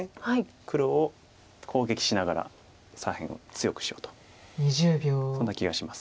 黒を攻撃しながら左辺を強くしようとそんな気がします。